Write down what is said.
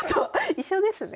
一緒ですね。